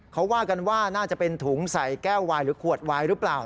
เขาว่ากันว่าน่าจะเป็นถุงใส่แก้ววายหรือขวดวายหรือเปล่า